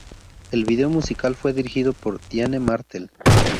El vídeo musical fue dirigido por Diane Martel.